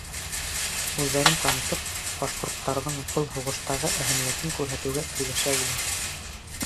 Үҙҙәрен танытып, башҡорттарҙың был һуғыштағы әһәмиәтен күрһәтеүгә өлгәшә улар.